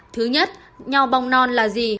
thứ nhất nho bong non là gì